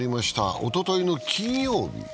おとといの金曜日。